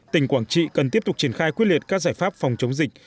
tỉnh quảng trị cần tiếp tục triển khai quyết liệt các giải pháp phòng chống dịch